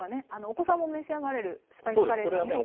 お子さんも召し上がれるスパイスカレーなんですけれども。